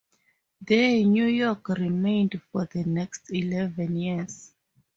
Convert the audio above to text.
There "New York" remained for the next eleven years.